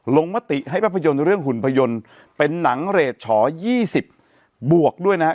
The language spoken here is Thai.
มติให้ภาพยนตร์เรื่องหุ่นพยนตร์เป็นหนังเรทฉอ๒๐บวกด้วยนะฮะ